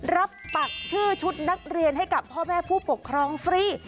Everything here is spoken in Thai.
ปักชื่อชุดนักเรียนให้กับพ่อแม่ผู้ปกครองฟรี